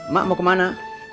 mak mau kemana